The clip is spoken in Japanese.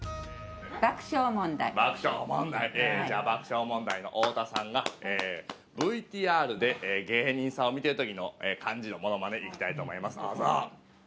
爆笑問題じゃあ爆笑問題の太田さんがＶＴＲで芸人さんを見てるときの感じのモノマネいきたいと思いますどうぞ。